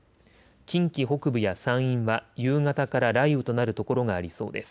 近畿北部や山陰は夕方から雷雨となる所がありそうです。